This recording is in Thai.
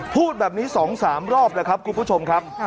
พูดแบบนี้๒๓รอบแล้วครับคุณผู้ชมครับ